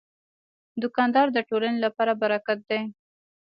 دوکاندار د ټولنې لپاره برکت دی.